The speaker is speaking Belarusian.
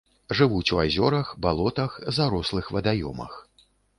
Жывуць у азёрах, балотах, зарослых вадаёмах.